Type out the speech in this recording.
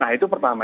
nah itu pertama